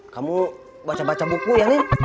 kamu baca baca buku ya nih